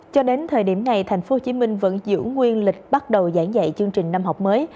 cho đến thời điểm này tp hcm vẫn giữ nguyên lịch bắt đầu giảng dạy chương trình năm học mới